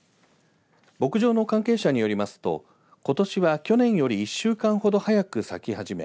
牧場の関係者によりますとことしは去年より１週間ほど早く咲き始め